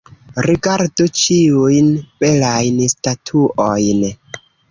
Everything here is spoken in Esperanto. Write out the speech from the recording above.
Rigardu ĉiujn belajn statuojn.